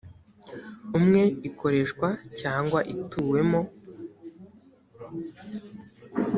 umwe ikoreshwa cyangwa ituwemo